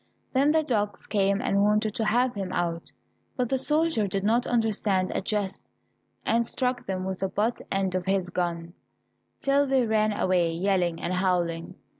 Then the dogs came and wanted to have him out, but the soldier did not understand a jest, and struck them with the butt end of his gun, till they ran away yelling and howling.